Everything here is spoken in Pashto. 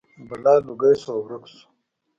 بلا لوګی شو او ورک شو.